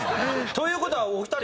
という事はお二人。